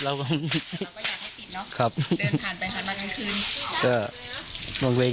เราก็เราก็อยากให้ปิดเนอะครับเดินหันไปหันมากลางคืน